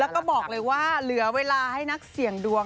แล้วก็บอกเลยว่าเหลือเวลาให้นักเสี่ยงดวง